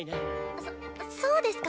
そそうですか？